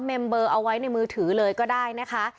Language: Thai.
เมมเบอร์เอาไว้ในมือถือเลยก็ได้นะคะ